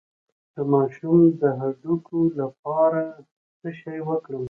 د ماشوم د هډوکو لپاره څه شی ورکړم؟